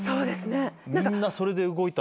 みんなそれで動いた。